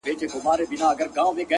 خلوت پر شخصيت د عبادت له مينې ژاړي;